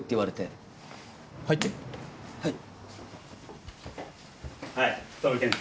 はい。